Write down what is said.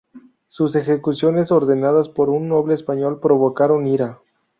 Sus ejecuciones, ordenadas por un noble español, provocaron ira.